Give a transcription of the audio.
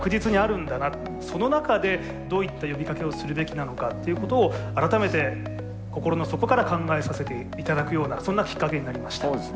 その中でどういった呼びかけをするべきなのかっていうことを改めて心の底から考えさせて頂くようなそんなきっかけになりました。